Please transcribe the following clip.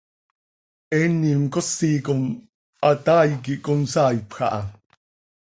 ¿Eenim cosi com hataai quih consaaipj haaya?